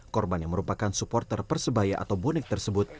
korban yang merupakan supporter persebaya atau bonek tersebut